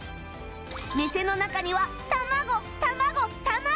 店の中には卵卵卵！